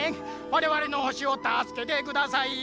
「われわれの星をたすけてください」。